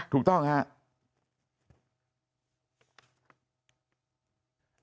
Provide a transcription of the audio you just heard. ถูกต้องครับ